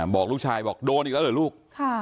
บอกลูกชายบอกโดนอีกแล้วเหรอลูก